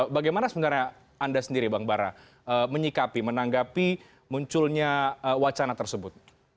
bagaimana sebenarnya anda sendiri bang bara menyikapi menanggapi munculnya wacana tersebut